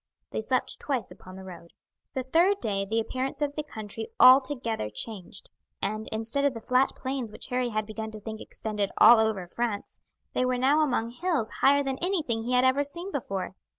They slept twice upon the road. The third day the appearance of the country altogether changed, and, instead of the flat plains which Harry had begun to think extended all over France, they were now among hills higher than anything he had ever seen before.